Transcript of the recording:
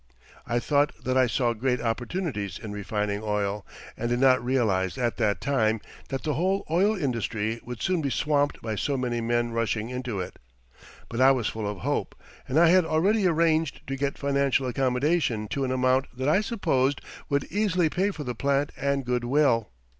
I thought that I saw great opportunities in refining oil, and did not realize at that time that the whole oil industry would soon be swamped by so many men rushing into it. But I was full of hope, and I had already arranged to get financial accommodation to an amount that I supposed would easily pay for the plant and good will.